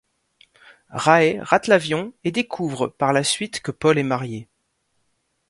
Rae rate l'avion, et découvre par la suite que Paul est marié.